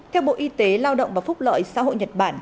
theo bộ y tế lao động và phúc lợi xã hội nhật bản